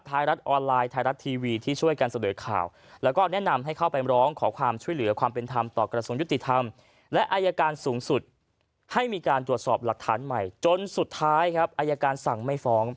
ไทยรัฐออนไลน์ไทยรัฐทีวีที่ช่วยกันเสนอข่าวแล้วก็แนะนำให้เข้าไปร้องขอความช่วยเหลือความเป็นธรรมต่อกระทรวงยุติธรรมและอายการสูงสุดให้มีการตรวจสอบหลักฐานใหม่จนสุดท้ายครับอายการสั่งไม่ฟ้อง